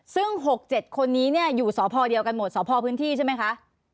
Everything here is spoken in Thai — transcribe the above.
ซึ่ง๖๗คนนี้เนี่ยอยู่สพเดียวกันหมดสพพื้นที่ใช่ไหมคะ